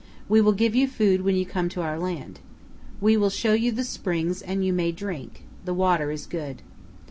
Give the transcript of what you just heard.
We will give you food when you come to our land. We will show you the springs and you may drink; the water is good.